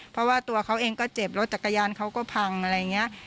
เพราะว่าตัวเขาเองก็เจ็บรถจักรยานเขาก็พังอะไรอย่างนี้